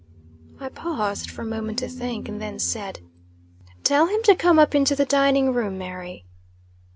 I paused for a moment to think, and then said "Tell him to come up into the dining room, Mary."